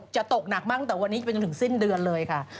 จะตกหนักมากแต่วันนี้ไปจนถึงสิ้นเดือนเลยค่ะ